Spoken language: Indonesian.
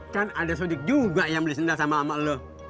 kan ada sudik juga yang beli sandal sama ama lo